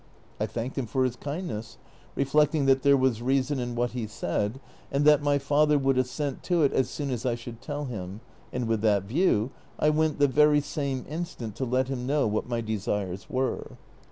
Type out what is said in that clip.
I thanked him for his kind ness, reflecting that there was reason in what he said, and that my father would assent to it as soon as I sliould tell him, and with that view I went the very same instant to let him know what my desires were.